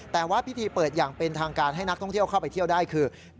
แต่ว่าพิธีเปิดอย่างเป็นทางการให้นักท่องเที่ยวเข้าไปเที่ยวได้คือ